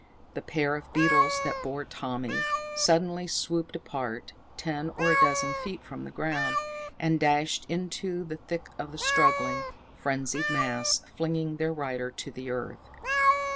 The pair of beetles that bore Tommy, suddenly swooped apart, ten or a dozen feet from the ground, and dashed into the thick of the struggling, frenzied mass, flinging their rider to earth.